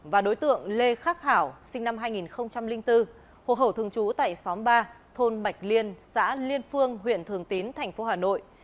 và đối tượng lê khắc thảo sinh năm hai nghìn bốn hộ khẩu thường trú tại xóm ba thôn bạch liên xã liên phương huyện thường tín thành phố hà nội